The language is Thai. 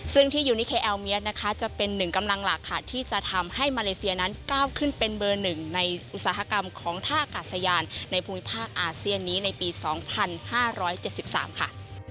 ซึ่งที่ยูนิเคแอลเมียสนะคะจะเป็นหนึ่งกำลังหลักค่ะที่จะทำให้มาเลเซียนั้นก้าวขึ้นเป็นเบอร์๑ในอุตสาหกรรมของท่ากาศยานในภูมิภาคอาเซียนนี้ในปี๒๕๗๓ค่ะ